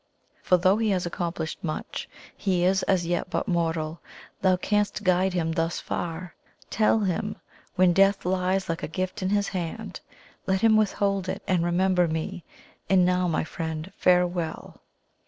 "For though he has accomplished much, he is as yet but mortal. Thou canst guide him thus far; tell him, when death lies like a gift in his hand, let him withhold it, and remember me. And now, my friend farewell!"